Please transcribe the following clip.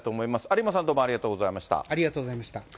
有馬さん、どうもありがとうござありがとうございました。